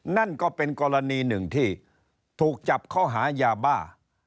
นั่นก็เป็นกรณีหนึ่งที่ถูกจับข้อหายาบ้า